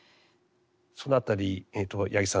そのあたり八木さん